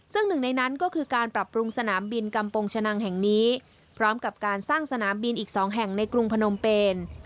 ซึ่งหนึ่งในนั้นก็คือการปรับปรุงสนามบินกำปงชะนังแห่งนี้พร้อมกับการสร้างสนามบินอีก๒แห่งในกรุงพนมเปน